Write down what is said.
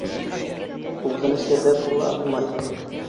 — Ул ғына сәбәп була алмай.